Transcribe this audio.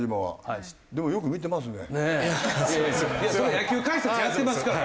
野球解説やってますから！